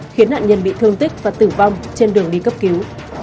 khiến nạn nhân bị thương tích và tử vong trên đường đi cấp cứu